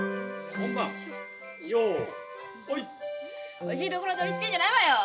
おいしいところ取りしてんじゃないわよ！